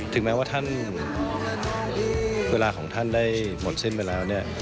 ถึงแม้ว่าท่านเวลาของท่านได้หมดสิ้นไปแล้วเนี่ย